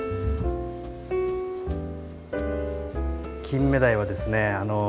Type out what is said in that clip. キンメダイはですね